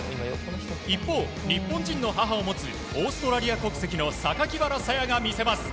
一方、日本人の母を持つオーストラリア国籍のサカキバラ・サヤが魅せます。